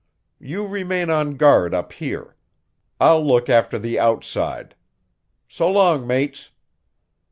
You remain on guard up here. I'll look after the outside. So long, mates."